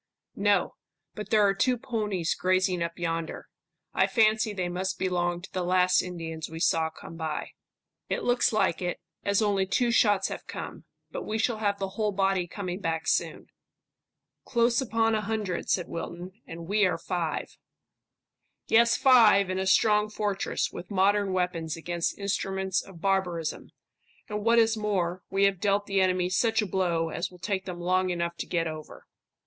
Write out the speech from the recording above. "No, but there are two ponies grazing up yonder. I fancy they must belong to the last Indians we saw come by." "It looks like it, as only two shots have come. But we shall have the whole body coming back soon." "Close upon a hundred," said Wilton, "and we are five." "Yes, five, in a strong fortress, with modern weapons against instruments of barbarism; and what is more, we have dealt the enemy such a blow as will take them long enough to get over."